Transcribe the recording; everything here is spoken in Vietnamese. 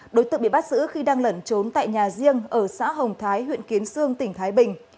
đối tượng bị bắt giữ khi đang lẩn trốn tại nhà riêng ở xã hồng thái huyện kiến sương tỉnh thái bình